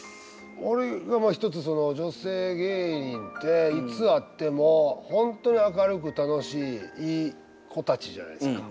一つその女性芸人っていつ会っても本当に明るく楽しいいい子たちじゃないですか。